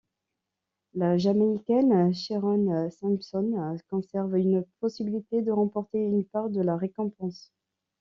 La Jamaïcaine Sherone Simpson conserve une possibilité de remporter une part de la récompense.